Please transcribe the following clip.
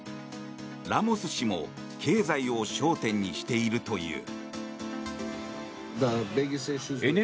ラモス氏も経済を焦点にしているという。